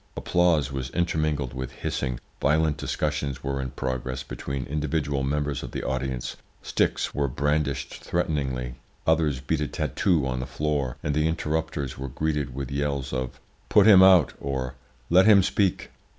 Applause was intermingled with hissing, violent discussions were in progress between individual members of the audience, sticks were brandished threateningly, others beat a tattoo on the floor, and the interrupters were greeted with yells of `Put him out!' or `Let him speak!'